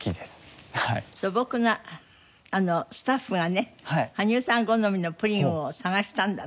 スタッフがね羽生さん好みのプリンを探したんだって。